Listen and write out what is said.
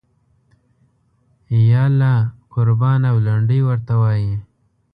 یاله قربان او لنډۍ ورته وایي.